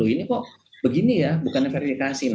ini kok begini ya bukannya verifikasi